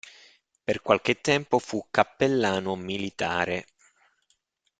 Per qualche tempo fu cappellano militare.